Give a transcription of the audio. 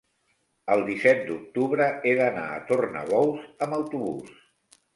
el disset d'octubre he d'anar a Tornabous amb autobús.